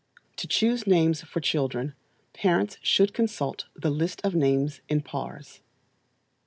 To choose names for children, parents should consult the list of names in _pars.